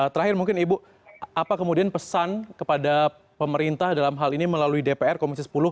terakhir mungkin ibu apa kemudian pesan kepada pemerintah dalam hal ini melalui dpr komisi sepuluh